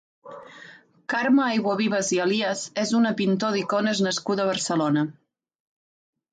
Carme Ayguavives i Elias és una pintor d’icones nascuda a Barcelona.